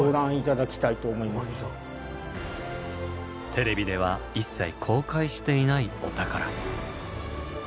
テレビでは一切公開していないお宝。